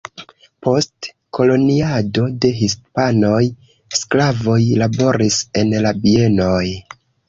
Post koloniado de hispanoj sklavoj laboris en la bienoj.